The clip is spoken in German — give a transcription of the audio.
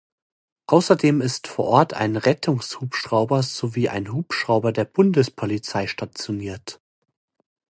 Außerdem ist vor Ort ein Rettungshubschrauber sowie ein Hubschrauber der Bundespolizei stationiert.